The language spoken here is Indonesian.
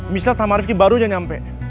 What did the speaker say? misal sama rifki baru aja nyampe